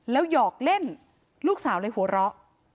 หยอกเล่นลูกสาวเลยหัวเราะ